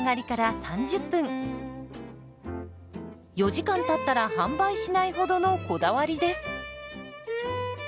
４時間たったら販売しないほどのこだわりです。